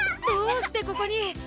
どうしてここに？